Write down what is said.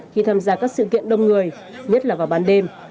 khi tham gia các sự kiện đông người nhất là vào ban đêm